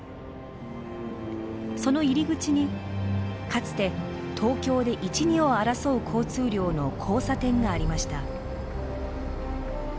その入り口にかつて東京で一二を争う交通量の交差点がありました。